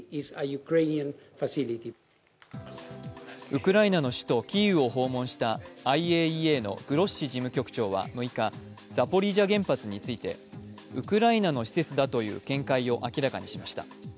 ウクライナの首都キーウを訪問したＩＡＥＡのグロッシ事務局長は６日ザポリージャ原発について、ウクライナの施設だという見解を明らかにしました。